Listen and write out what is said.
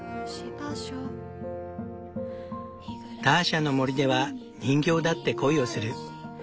ターシャの森では人形だって恋をする。